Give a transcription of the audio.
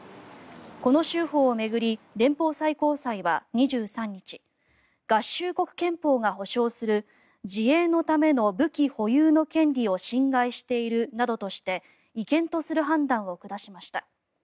この州法を巡り連邦最高裁は２３日合衆国憲法が保障する自衛のための武器保有の権利を侵害しているなどとして違憲とする判断を下しました。